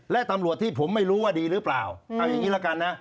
และตำรวจที่ผมไม่รู้ว่าดีหรือเปล่าเอาอย่างนี้ละกันนะ